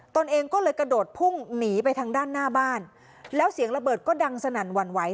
ตัวเองก็เลยกระโดดพุ่งหนีไปทางด้านหน้าบ้านแล้วเสียงระเบิดก็ดังสนั่นหวั่นไหว